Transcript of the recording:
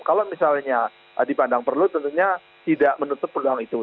kalau misalnya dipandang perlu tentunya tidak menutup peluang itu